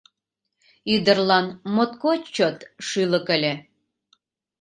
ӱдырлан моткоч чот шӱлык ыле.